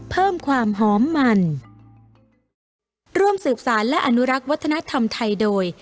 เพิ่มความหอมมันร่วมสืบสารและอนุรักษ์วัฒนธรรมไทยโดย